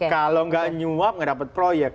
kalau enggak nyuap gak dapat proyek